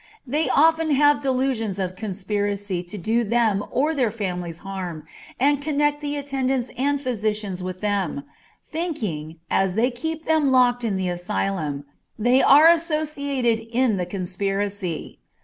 They often have delusions of conspiracy to do them or their families harm, and connect the attendants and physicians with them, thinking, as they keep them locked in the asylum, they are associated in the conspiracy.